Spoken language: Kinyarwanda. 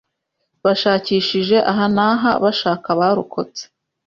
Bashakishije aha n'aha bashaka abarokotse.